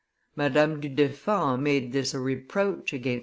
Madame du Deffand made this a reproach against M.